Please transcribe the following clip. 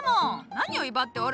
何を威張っておる！